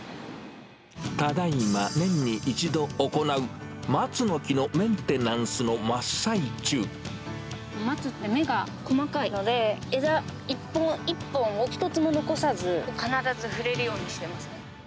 ただいま年に１度行う、松の木の松って芽が細かいので、枝一本一本を、一つも残さず必ず触れるようにしてますね。